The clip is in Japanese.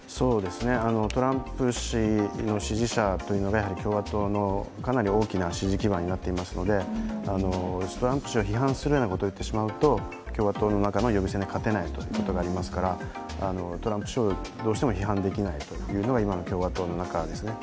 トランプ氏の支持者というのは共和党のかなり大きな支持基盤になっていますのでトランプ氏を批判するようなことを言ってしまうと共和党の中の予備選に勝てないということがありますからトランプ氏をどうしても批判できないというのが今の共和党の中ですね。